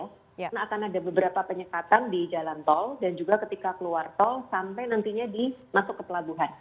karena akan ada beberapa penyekatan di jalan tol dan juga ketika keluar tol sampai nantinya dimasuk ke pelabuhan